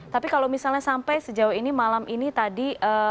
tapi kalau misalnya sampai sejauh ini malam ini tadi